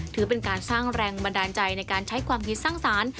ถือเป็นการสร้างแรงบันดาลใจในการใช้ความคิดสร้างสรรค์